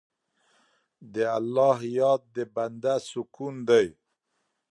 د الله یاد د بنده سکون دی.